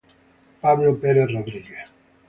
Pablo Pérez Rodríguez